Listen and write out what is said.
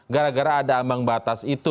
gara gara ada ambang batas itu